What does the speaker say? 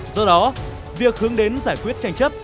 do đó việc hướng đến giải quyết tranh chấp